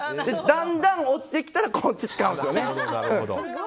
だんだん落ちてきたらこっち使うんですよ。